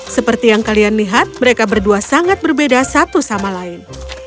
seperti yang kalian lihat mereka berdua sangat berbeda satu sama lain